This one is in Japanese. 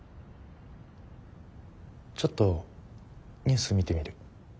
ちょっとニュース見てみる。